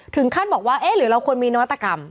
ถึงขั้นบอกว่าเอ๊ะหรือเราควรมีนวัตกรรม